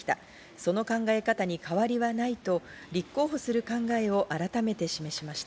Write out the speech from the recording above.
その考え方に変わりはないと立候補する考えを改めて示しました。